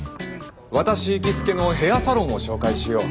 私行きつけのへあさろんを紹介しよう。